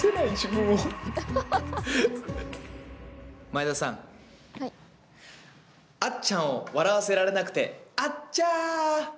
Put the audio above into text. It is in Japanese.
前田さん、あっちゃんを笑わせられなくて、あっちゃー！